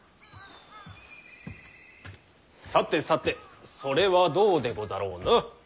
さてさてそれはどうでござろうな。